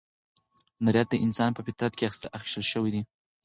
هنریت د انسان په فطرت کې اخښل شوی دی.